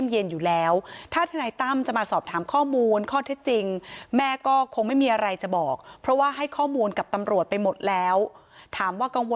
เพราะว่าผมเคยทำมาก่อนแล้ว๒โมงกับบ้านโด่เพราะว่าผมเคยทำมาก่อนแล้ว๒วันครับผมก็เต